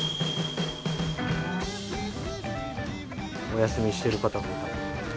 お休みしてる方がいた。